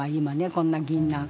こんなぎんなん。